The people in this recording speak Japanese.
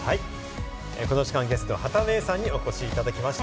この時間、ゲストの畑芽育さんにお越しいただきました。